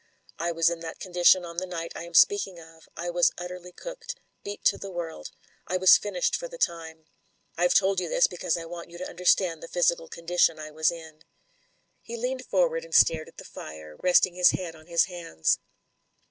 I was in that condition on the night I am speaking of ; I was utterly cooked — ^beat to the world ; I was finished for the time. Fve told you this, because I want you to understand the physical condition I was in." THE FATAL SECOND 115 He leaned forward and stared at the fire, resting his head on his hands.